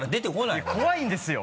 いや怖いんですよ！